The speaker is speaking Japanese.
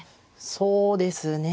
そうですね。